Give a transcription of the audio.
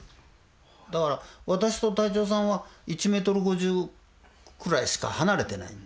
だから私と隊長さんは１ｍ５０くらいしか離れてない。